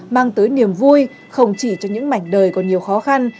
mang tới niềm vui không chỉ cho những mảnh đời còn nhiều khó khăn